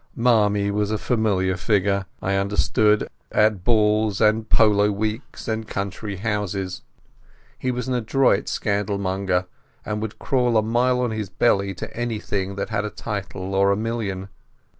"Marmie' was a familiar figure, I understood, at balls and polo weeks and country houses. He was an adroit scandal monger, and would crawl a mile on his belly to anything that had a title or a million.